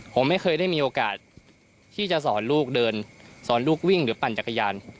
ผมไม่เคยได้มีโอกาสที่จะสอนลูกเดินสอนลูกวิ่งหรือปั่นจักรยาน